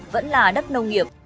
vẫn là đất nông nghiệp